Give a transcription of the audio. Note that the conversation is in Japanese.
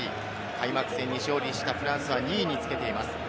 開幕戦に勝利したフランスは２位につけています。